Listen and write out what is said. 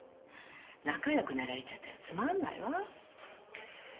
仲良くなられちゃったらつまんないわ。